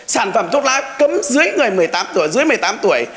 sản phẩm thuốc lá cấm dưới người một mươi tám tuổi dưới một mươi tám tuổi